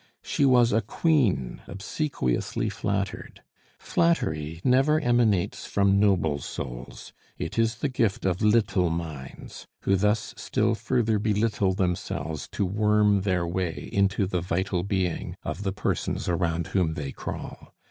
She was a queen, obsequiously flattered. Flattery never emanates from noble souls; it is the gift of little minds, who thus still further belittle themselves to worm their way into the vital being of the persons around whom they crawl.